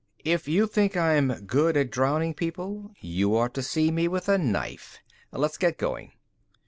"If you think I'm good at drowning people, you ought to see me with a knife. Let's get going."